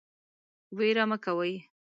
ویره مه کوئ